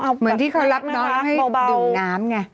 เหมือนที่เขารับน้องให้ดื่มน้ำไง